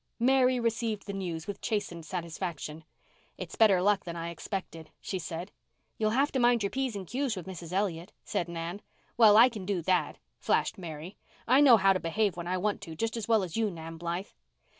Mary received the news with chastened satisfaction. "It's better luck than I expected," she said. "You'll have to mind your p's and q's with Mrs. Elliott," said Nan. "Well, I can do that," flashed Mary. "I know how to behave when I want to just as well as you, Nan Blythe."